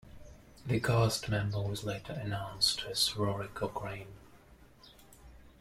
This cast member was later announced as Rory Cochrane.